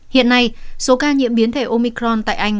hiện nay số ca nhiễm biến thể omicron tại anh